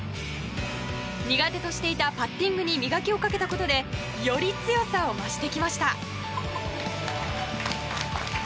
苦手としていたパッティングに磨きをかけたことでより強さを増してきました。